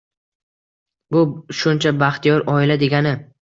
Bu shuncha baxtiyor oila degani.